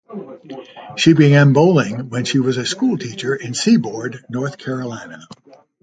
She began bowling when she was a school teacher in Seaboard, North Carolina.